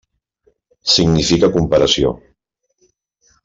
Significa comparació.